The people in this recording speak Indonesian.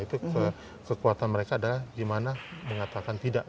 nah itu kekuatan mereka adalah gimana mengatakan tidak